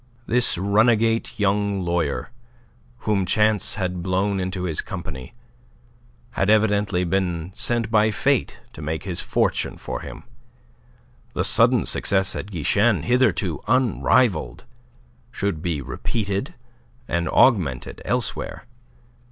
This runagate young lawyer, whom chance had blown into his company, had evidently been sent by Fate to make his fortune for him. The sudden success at Guichen, hitherto unrivalled, should be repeated and augmented elsewhere.